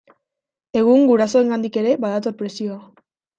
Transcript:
Egun gurasoengandik ere badator presioa.